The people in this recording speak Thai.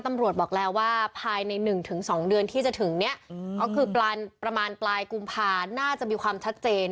ตำรวจบอกแล้วว่าภายใน๑๒เดือนที่จะถึงเนี่ยก็คือประมาณปลายกุมภาน่าจะมีความชัดเจน